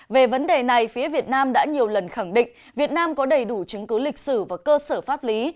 về vấn đề này phía việt nam đã nhiều lần khẳng định việt nam có đầy đủ chứng cứ lịch sử và cơ sở pháp lý